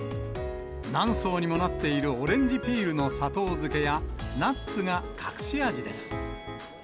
何層にもなっているオレンジピールの砂糖漬けや、ナッツが隠し味です。